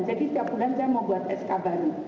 jadi setiap bulan saya mau buat sk bani